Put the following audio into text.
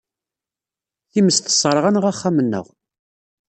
Times tesserɣ-aneɣ axxam-nneɣ.